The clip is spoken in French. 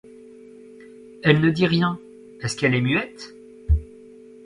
Elle ne dit rien, est-ce qu'elle est muette ?